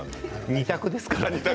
２択ですからね。